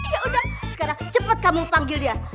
ya udah sekarang cepat kamu panggil dia